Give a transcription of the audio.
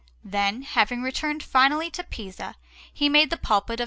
Then, having returned finally to Pisa, he made the pulpit of S.